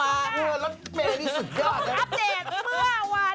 อัพเดทเมื่อวาน